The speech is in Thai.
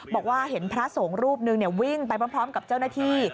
บอกว่าเห็นพระสงฆ์รูปนึงวิ่งไปพร้อมกับเจ้าหน้าที่